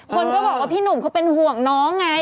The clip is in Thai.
คนก็บอกว่าพี่หนุ่มเขาเป็นห่วงน้องไง